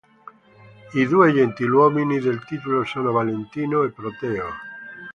I due gentiluomini del titolo sono Valentino e Proteo.